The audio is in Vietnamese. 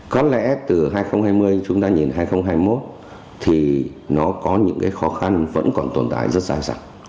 có lẽ từ hai nghìn hai mươi chúng ta nhìn hai nghìn hai mươi một thì nó có những cái khó khăn vẫn còn tồn tại rất dài dẳng